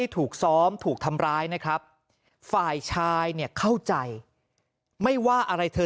ถูกซ้อมถูกทำร้ายนะครับฝ่ายชายเนี่ยเข้าใจไม่ว่าอะไรเธอ